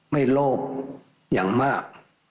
โลภอย่างมาก